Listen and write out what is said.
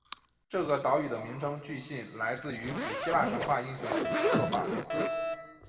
这个岛屿的名称据信来自于古希腊神话英雄刻法罗斯。